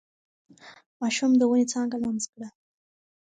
ماشوم د ونې څانګه لمس کړه.